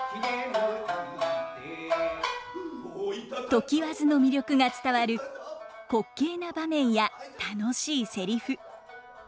常磐津の魅力が伝わる滑稽な場面や楽しいセリフ。